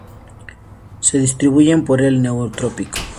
Se distribuyen por el neotrópico.